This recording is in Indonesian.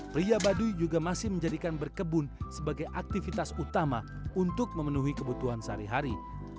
pria baduy juga masih menjadikan berkebun sebagai aktivitas utama untuk memenuhi kebutuhan sehari hari